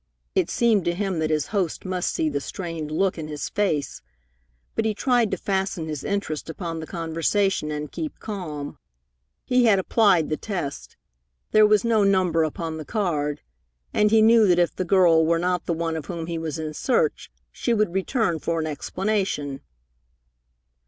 It seemed to him that his host must see the strained look in his face, but he tried to fasten his interest upon the conversation and keep calm. He had applied the test. There was no number upon the card, and he knew that if the girl were not the one of whom he was in search, she would return for an explanation.